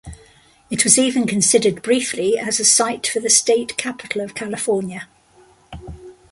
It was even considered briefly as a site for the state capitol of California.